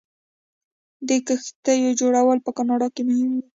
د کښتیو جوړول په کاناډا کې مهم و.